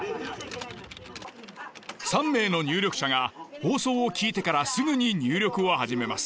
３名の入力者が放送を聞いてからすぐに入力を始めます。